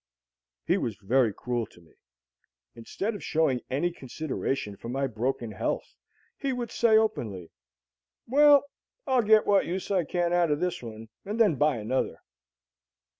He was very cruel to me. Instead of showing any consideration for my broken health, he would say openly, "Well, I'll get what use I can out of this one, and then buy another."